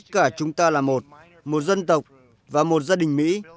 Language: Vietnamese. cả chúng ta là một một dân tộc và một gia đình mỹ